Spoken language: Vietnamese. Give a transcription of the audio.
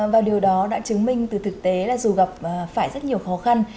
và điều đó đã chứng minh từ thực tế là dù gặp phải rất nhiều khó khăn